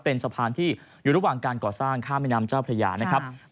เป็นสะพานที่อยู่ระหว่างการก่อสร้างข้ามแม่น้ำเจ้าพระยานะครับ